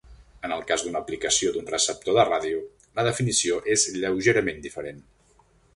En el cas d'una aplicació d'un receptor de ràdio, la definició és lleugerament diferent.